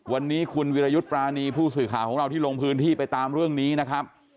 วันนี้คุณวิรยุทธ์ปรานีผู้สื่อข่าวของเราที่ลงพื้นที่ไปตามเรื่องนี้นะครับ